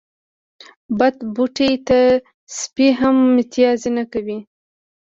بد بوټي ته سپي هم متازې نه کوی.